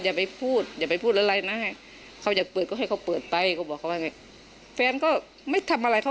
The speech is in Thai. จนใดเจ้าของร้านเบียร์ยิงใส่หลายนัดเลยค่ะ